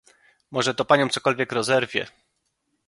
"Może to panią cokolwiek rozerwie!"